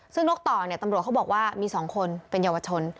ซึ่งนกต่อเนี่ยตำรวจเขาบอกว่ามี๒คนเป็นเยาวชน